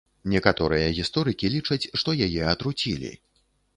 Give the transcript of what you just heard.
Некаторыя гісторыкі лічаць, што яе атруцілі.